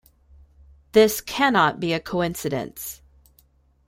This cannot be a coincidence.